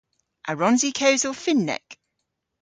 A wrons i kewsel Fynnek?